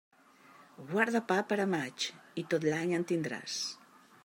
Guarda pa per a maig, i tot l'any en tindràs.